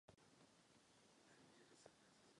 Podrobujeme ho důkladnému přezkumu.